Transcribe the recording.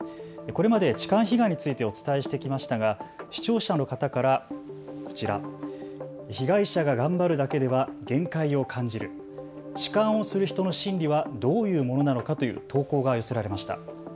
これまで痴漢被害についてお伝えしてきましたが視聴者の方からこちら、被害者が頑張るだけでは限界を感じる、痴漢をする人の心理はどういうものなのかという投稿が寄せられました。